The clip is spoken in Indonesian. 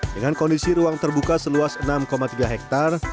dengan kondisi ruang terbuka seluas enam tiga hektare